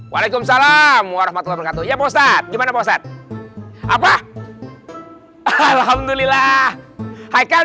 waalaikumsalam warahmatullah wabarakatuh ya postat gimana poset apa alhamdulillah haikal